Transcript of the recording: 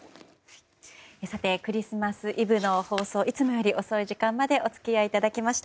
クリスマスイブの放送いつもより遅い時間までお付き合いいただきました。